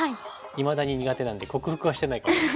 いまだに苦手なんで克服はしてないかも。